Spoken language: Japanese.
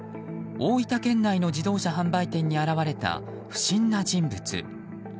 大分県内の自動車販売店に現れた不審な人物。